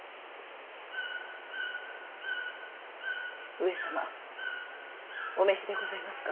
上様お召しでございますか？